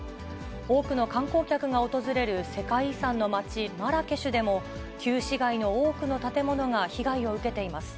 多くの観光客が訪れる世界遺産の街、マラケシュでも旧市街の多くの建物が被害を受けています。